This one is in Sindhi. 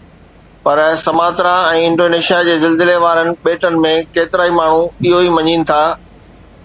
پر سماترا ۽ انڊونيشيا جي زلزلي وارن ٻيٽن ۾ ڪيترائي ماڻھو اھو ئي مڃين ٿا